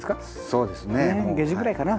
そうですね。